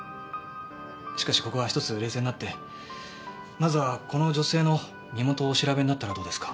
しかしここはひとつ冷静になってまずはこの女性の身元をお調べになったらどうですか？